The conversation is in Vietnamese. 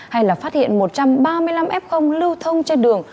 hay là phát hiện một trăm ba mươi năm f lưu thông trên đường